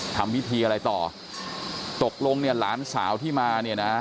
ทำพิธีอะไรต่อตกลงหลานสาวที่มา